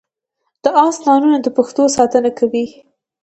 د اس نالونه د پښو ساتنه کوي